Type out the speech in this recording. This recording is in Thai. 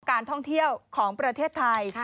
การท่องเที่ยวของประเทศไทย